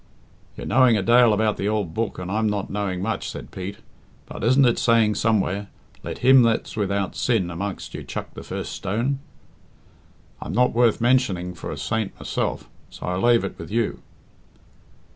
"You're knowing a dale about the ould Book and I'm not knowing much," said Pete, "but isn't it saying somewhere, 'Let him that's without sin amongst you chuck the first stone?' I'm not worth mentioning for a saint myself, so I lave it with you."